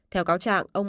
theo cáo trạng